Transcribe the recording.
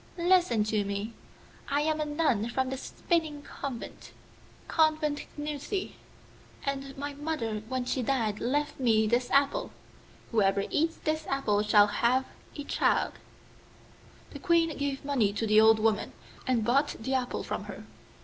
'Listen to me. I am a nun from the Spinning Convent,(10) and my mother when she died left me this apple. Whoever eats this apple shall have a child.' (10) Convent Gnothi. The Queen gave money to the old woman, and bought the apple from her.